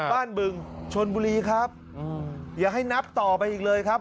บึงชนบุรีครับอย่าให้นับต่อไปอีกเลยครับ